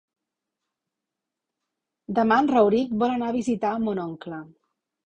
Demà en Rauric vol anar a visitar mon oncle.